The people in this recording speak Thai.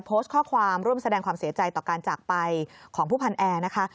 โพสต์ข้อความร่วมแสดงความเสียใจต่อการจากไปของผู้พันแอร์นะคะ